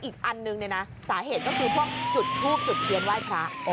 อีกอันนึงเนี่ยนะสาเหตุก็คือพวกจุดทูบจุดเทียนไหว้พระ